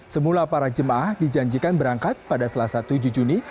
semula para jemaah dijanjikan berangkat pada selasa tujuh juni